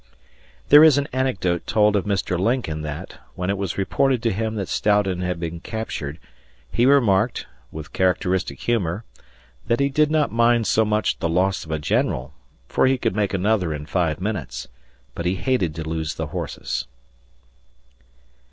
There is an anecdote told of Mr. Lincoln that, when it was reported to him that Stoughton had been captured, he remarked, with characteristic humor, that he did not mind so much the loss of a general for he could make another in five minutes but he hated to lose the horses.